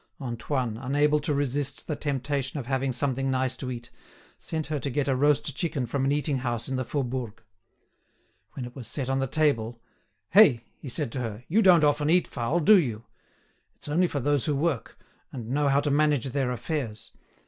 Antoine, unable to resist the temptation of having something nice to eat, sent her to get a roast chicken from an eating house in the Faubourg. When it was set on the table: "Hey!" he said to her, "you don't often eat fowl, do you? It's only for those who work, and know how to manage their affairs.